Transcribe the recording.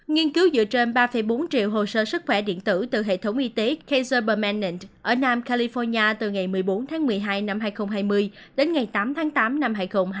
nghiên cứu dựa trên ba bốn triệu hồ sơ sức khỏe điện tử từ hệ thống y tế ksj baman ở nam california từ ngày một mươi bốn tháng một mươi hai năm hai nghìn hai mươi đến ngày tám tháng tám năm hai nghìn hai mươi